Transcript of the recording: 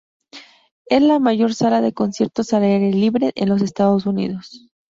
Es la mayor sala de conciertos al aire libre en los Estados Unidos.